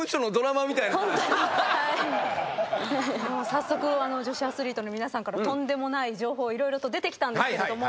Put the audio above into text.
早速女子アスリートの皆さんからとんでもない情報色々と出てきたんですけれども。